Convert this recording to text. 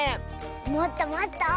もっともっと。